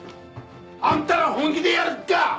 あんたら本気でやる気か？